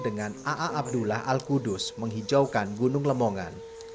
dengan aa abdullah al kudus menghijaukan gunung lemongan